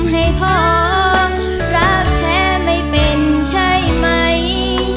ให้พอรักแท้ไม่เป็นใช่ไหม